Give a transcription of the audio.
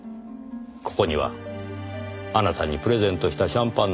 ここにはあなたにプレゼントしたシャンパンの他に。